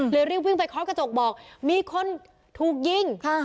เลยรีบวิ่งไปคลอดกระจกบอกมีคนถูกยิง